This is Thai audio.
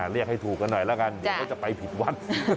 เรียกให้ถูกกันหน่อยแล้วกันเดี๋ยวเขาจะไปผิดวัด